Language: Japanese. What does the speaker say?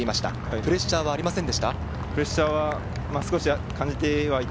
プレッシャーはありませんでした？